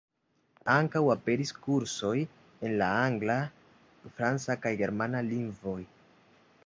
Ankaŭ aperis kursoj en la angla, franca kaj germana lingvoj.